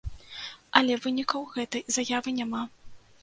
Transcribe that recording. Але вынікаў гэтай заявы няма.